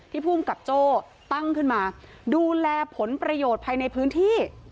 ภูมิกับโจ้ตั้งขึ้นมาดูแลผลประโยชน์ภายในพื้นที่